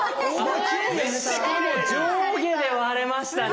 しかも上下で割れましたね。